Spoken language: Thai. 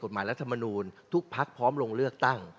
อุดหมายรัฐมนุนทุกพักพร้อมลงเลือกตั้ง